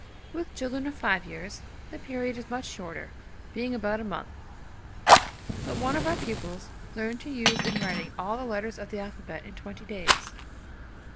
With children of five years, the period is much shorter, being about a month. But one of our pupils learned to use in writing all the letters of the alphabet in twenty days.